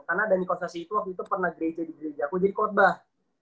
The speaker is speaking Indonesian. karena dhani kostasi itu waktu itu pernah gerai di gereja aku jadi kotbah